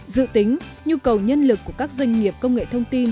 dự tính nhu cầu nhân lực của các doanh nghiệp công nghệ thông tin